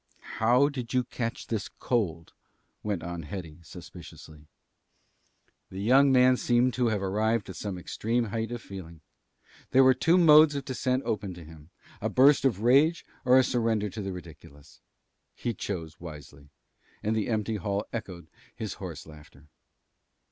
"How did you catch this cold?" went on Hetty, suspiciously. The young man seemed to have arrived at some extreme height of feeling. There were two modes of descent open to him a burst of rage or a surrender to the ridiculous. He chose wisely; and the empty hall echoed his hoarse laughter.